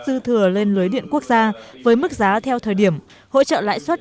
dư thừa lên lưới điện quốc gia với mức giá theo thời điểm hỗ trợ lãi suất